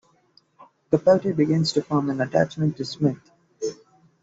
Capote begins to form an attachment to Smith.